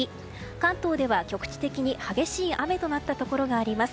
関東では局地的に激しい雨となったところがあります。